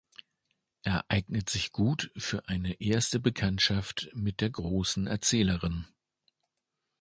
Er eignet sich gut für eine erste Bekanntschaft mit der großen Erzählerin.